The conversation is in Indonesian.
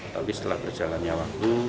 tapi setelah berjalannya waktu